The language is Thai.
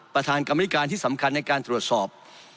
กรรมนิการที่สำคัญในการตรวจสอบ